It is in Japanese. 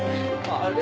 あれ？